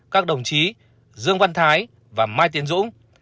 các đồng chí dương văn thái và mai tiến dũng